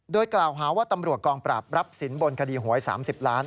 โดยกล่าวหาว่าตำรวจกองปราบรับสินบนคดีหวย๓๐ล้าน